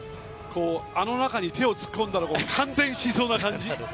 あの中に手を突っ込んだら感電しそうな感じ。